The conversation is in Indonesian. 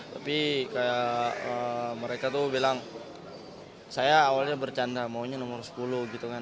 tapi kayak mereka tuh bilang saya awalnya bercanda maunya nomor sepuluh gitu kan